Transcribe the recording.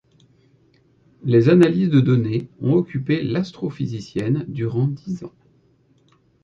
Les analyses des données ont occupé l'astrophysicienne durant dix ans.